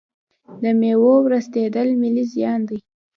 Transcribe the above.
د میوو ورستیدل ملي زیان دی.